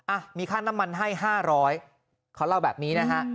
อ่ะมีค่าน้ำมันให้๕๐๐เขาเล่าแบบนี้นะฮะ